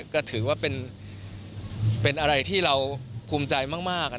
ก็ถือว่าเป็นอะไรที่เราภูมิใจมาก